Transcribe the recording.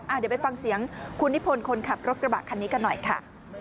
เดี๋ยวไปฟังเสียงคุณนิพนธ์คนขับรถกระบะคันนี้กันหน่อยค่ะ